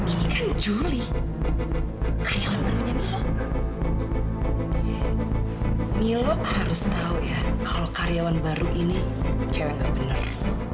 ini kan julie karyawan baru milo milo harus tahu ya kalau karyawan baru ini cewek bener